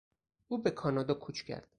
او به کانادا کوچ کرد.